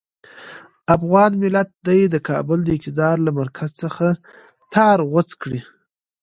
افغان ملت دې د کابل د اقتدار له مرکز څخه تار غوڅ کړي.